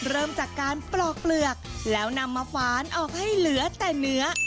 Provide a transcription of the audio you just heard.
เริ่มจากการปลอกเปลือกแล้วนำมาฝานออกให้เหลือแต่เนื้อ